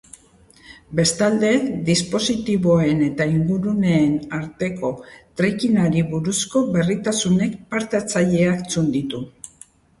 Bestalde, dispositiboen eta inguruneen arteko tracking-ari buruzko berritasunek parte-hartzaileak txunditu zituzten.